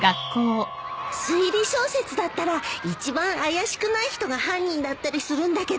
推理小説だったら一番怪しくない人が犯人だったりするんだけど。